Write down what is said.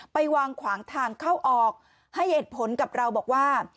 ไปวางขวางทางเข้าออกให้เหตุผลกับเราบอกว่า